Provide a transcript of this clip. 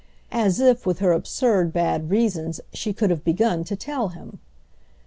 As if, with her absurd bad reasons, she could have begun to tell him!